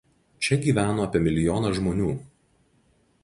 Čia gyveno apie milijoną žmonių.